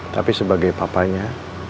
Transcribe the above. tapi sebagai papanya